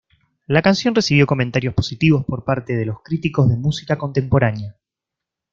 La canción recibió comentarios positivos por parte de los críticos de música contemporánea.